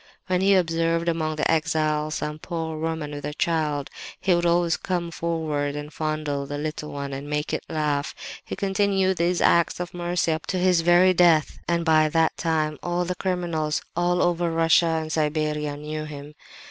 When he observed among the exiles some poor woman with a child, he would always come forward and fondle the little one, and make it laugh. He continued these acts of mercy up to his very death; and by that time all the criminals, all over Russia and Siberia, knew him!